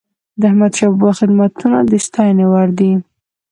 د احمدشاه بابا خدمتونه د ستايني وړ دي.